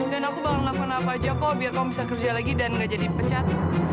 dan aku bakal ngelakuin apa aja kok biar kamu bisa kerja lagi dan nggak jadi pecat